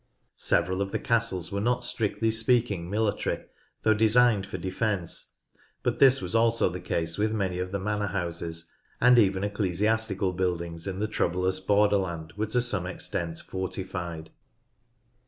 Several of the castles were not strictly speaking military, though designed for defence ; but this was also the case with many of the manor houses, and even ecclesiastical buildings in the troublous borderland were to some extent fortified.